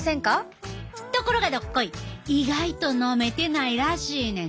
ところがどっこい意外と飲めてないらしいねん。